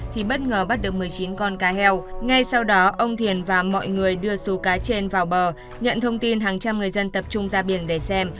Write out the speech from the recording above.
thì bất ngờ bắt được một mươi chín con cá heo ngay sau đó ông thiền và mọi người đưa số cá trên vào bờ nhận thông tin hàng trăm người dân tập trung ra biển để xem